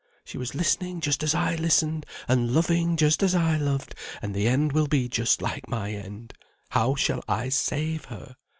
She was listening just as I listened, and loving just as I loved, and the end will be just like my end. How shall I save her?